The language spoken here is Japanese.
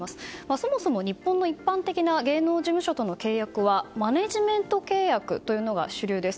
そもそも日本の一般的な芸能事務所との契約はマネジメント契約が主流です。